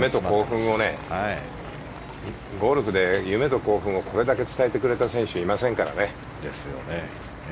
ゴルフで夢と興奮をこれだけ伝えてくれた選手はいませんからね。